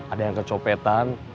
ada yang kecopetan